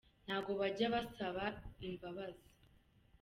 ntago bajya basaba imbabai.